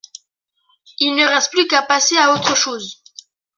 Il ne reste plus qu’à passer à autre chose.